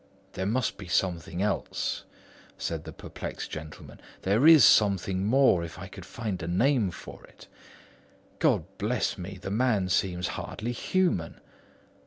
"There must be something else," said the perplexed gentleman. "There is something more, if I could find a name for it. God bless me, the man seems hardly human!